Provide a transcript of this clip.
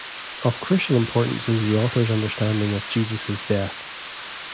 Of crucial importance is the author's understanding of Jesus' death.